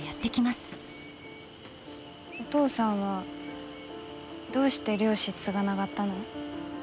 お父さんはどうして漁師継がながったの？